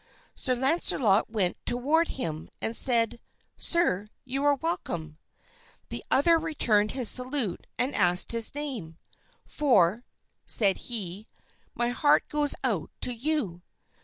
Sir Launcelot went toward him and said, "Sir, you are welcome." The other returned his salute and asked his name, "for," said he, "my heart goes out to you."